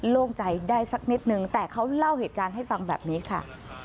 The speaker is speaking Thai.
โล่งใจได้สักนิดนึงแต่เขาเล่าเหตุการณ์ให้ฟังแบบนี้ค่ะ